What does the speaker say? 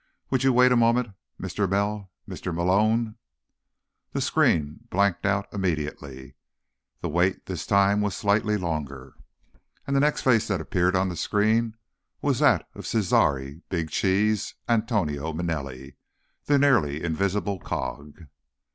Would you wait a moment, Mr. Mel—Mr. Malone?" The screen blanked out immediately. The wait this time was slightly longer. And the next face that appeared on the screen was that of Cesare "Big Cheese" Antonio Manelli, the nearly invisible cog.